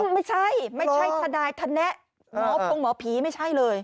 ไม่ใช่ไม่ใช่ทนายทะแนะหมอพงหมอผีไม่ใช่เลย